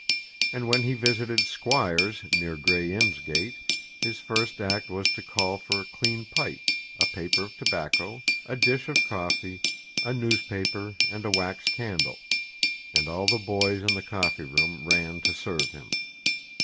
And when he visited Squire's near Gray's Inn Gate, his first act was to call for a clean pipe, a paper of tobacco, a dish of coffee, a newspaper and a wax candle; and all the boys in the coffee room ran to serve him.